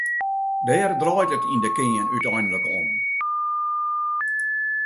Dêr draait it yn de kearn úteinlik om.